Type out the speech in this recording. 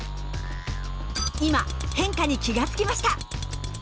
今変化に気が付きました。